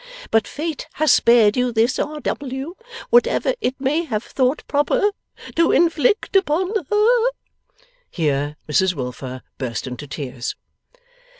But Fate has spared you this, R.W., whatever it may have thought proper to inflict upon her!' Here Mrs Wilfer burst into tears.